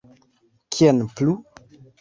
Kien plu?